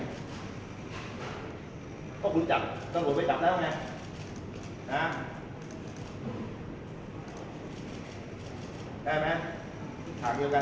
พวกคุณจับต้องกดไปจับแล้วไหมนะฮะ